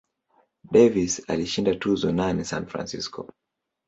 Davis alishinda tuzo nane San Francisco.